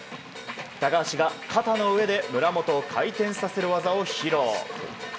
高橋が肩の上で村元を回転させる技を披露。